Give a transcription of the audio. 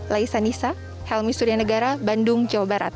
laisa nisa helmi surya negara bandung jawa barat